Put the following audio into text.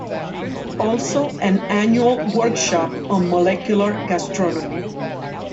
Also an annual Workshop on Molecular Gastronomy.